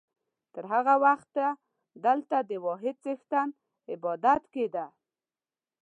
تر هغه وخته دلته د واحد څښتن عبادت کېده.